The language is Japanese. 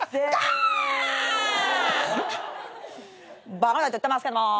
バカなこと言ってますけども。